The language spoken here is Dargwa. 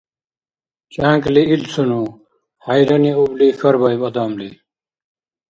ЧӀянкӀли илцуну? – хӀяйраниубли хьарбаиб адамли.